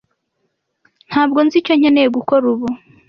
Ntabwo nzi icyo nkeneye gukora ubu.